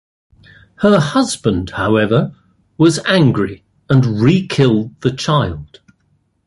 Her husband, however, was angry and re-killed the child.